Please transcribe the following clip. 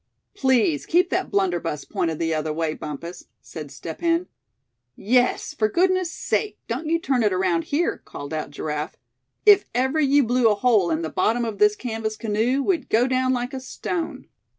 "Please keep that blunderbuss pointed the other way, Bumpus," said Step Hen. "Yes, for goodness' sake don't you turn it around here!" called out Giraffe. "If ever you blew a hole in the bottom of this canvas canoe, we'd go down like a stone."